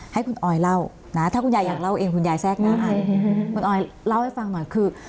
ให้คุณออยเล่านะถ้าคุณยายอยากเล่าเองคุณยายแทรกหน้าให้คุณออยเล่าให้ฟังหน่อยคือ